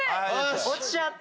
落ちちゃった。